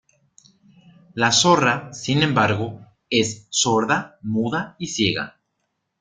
La zorra, sin embargo, es sorda, muda y ciega.